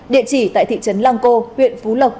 địa chỉ tại thị trấn lăng cô huyện phú lộc